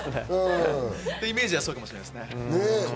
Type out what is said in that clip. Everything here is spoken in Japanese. イメージはそうかもしれないですね。